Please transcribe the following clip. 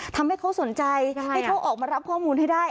ทำให้เขาสนใจให้เขาออกมารับข้อมูลให้ได้